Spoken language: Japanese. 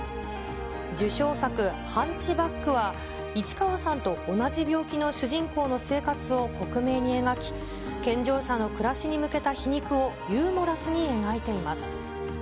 受賞作、ハンチバックは市川さんと同じ病気の主人公の生活を克明に描き、健常者の暮らしに向けた皮肉をユーモラスに描いています。